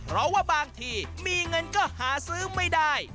เพราะว่าบางทีมีเงินก็หาซื้อไม่ได้